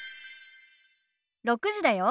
６時だよ。